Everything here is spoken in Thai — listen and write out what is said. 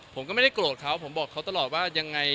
ผมก็ไม่ได้โกรธเขาผมบอกเขาตลอดว่ายังไง